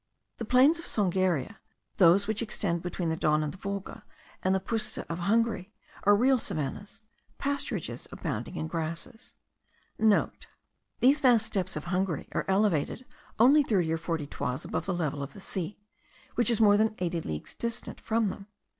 The plains of Songaria, those which extend between the Don and the Volga, and the puszta of Hungary, are real savannahs, pasturages abounding in grasses;* (* These vast steppes of Hungary are elevated only thirty or forty toises above the level of the sea, which is more than eighty leagues distant from them.